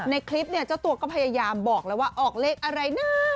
ในคลิปเนี่ยเจ้าตัวก็พยายามบอกแล้วว่าออกเลขอะไรนะ